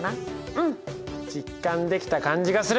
うん！実感できた感じがする。